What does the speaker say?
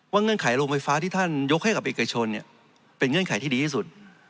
เงื่อนไขโรงไฟฟ้าที่ท่านยกให้กับเอกชนเป็นเงื่อนไขที่ดีที่สุด